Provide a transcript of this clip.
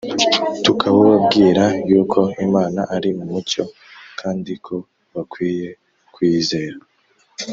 tukabubabwira yuko Imana ari umucyo kandi ko bakwiye kuyizera